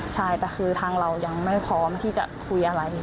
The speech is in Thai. ใช่แต่คือทางเรายังไม่พร้อมที่จะคุยอะไร